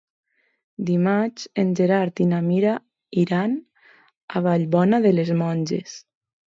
Dimarts en Gerard i na Mira iran a Vallbona de les Monges.